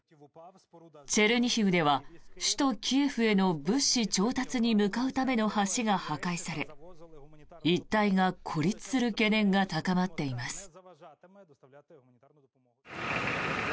チェルニヒウでは首都キエフへの物資調達に向かうための橋が破壊され一帯が孤立する懸念が高まっています。